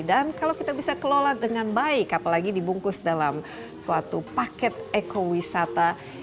dan kalau kita bisa kelola dengan baik apalagi dibungkus dalam suatu paket eco wisata